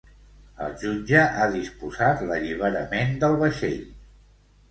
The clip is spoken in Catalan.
El jutge ha disposat l’alliberament del vaixell.